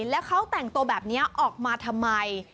แล้วเขาแต่งตัวแบบนี้ออกมาทำไม